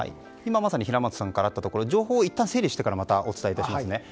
まさに平松さんからあったところは情報を整理してからまたお伝えします。